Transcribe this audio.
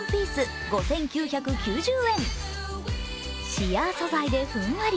シアー素材でふんわり。